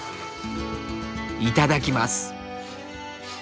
「いただきます」。